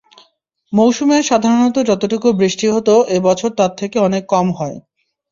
মৌসুমে সাধারণত যতটুকু বৃষ্টি হত এ বছর তার থেকে অনেক কম হয়।